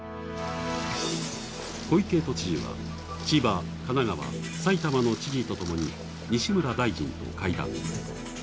小池都知事は千葉、神奈川、埼玉の知事とともに西村大臣と会談。